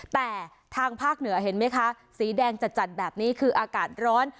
แต่ทางภาคเหนือเห็นไหมคะสีแดงจัดแบบนี้คืออากาศร้อน